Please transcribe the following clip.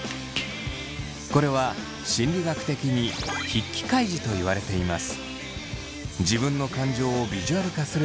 これは心理学的に筆記開示と言われています。